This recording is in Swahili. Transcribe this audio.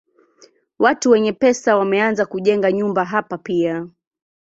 Watu wenye pesa wameanza kujenga nyumba hapa pia.